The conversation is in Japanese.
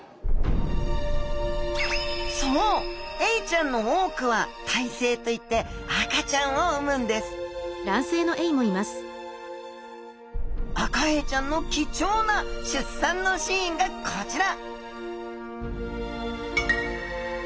そうエイちゃんの多くは胎生といって赤ちゃんを産むんですアカエイちゃんの貴重な出産のシーンがこちら！